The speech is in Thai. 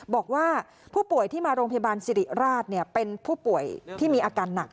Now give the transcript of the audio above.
บอกว่าผู้ป่วยที่มาโรงพยาบาลสิริราชเป็นผู้ป่วยที่มีอาการหนัก